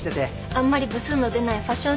あんまり部数の出ないファッション